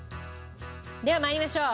では参りましょう。